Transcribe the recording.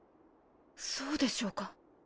そうでしょうか。